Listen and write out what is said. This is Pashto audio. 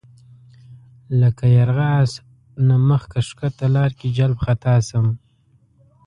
لکه یرغه آس نه مخ ښکته لار کې جلَب خطا شم